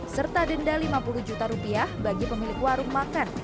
serta denda lima puluh juta rupiah bagi pemilik warung makan